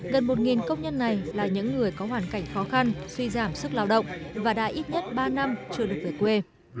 gần một công nhân này là những người có hoàn cảnh khó khăn suy giảm sức lao động và đã ít nhất ba năm chưa được về quê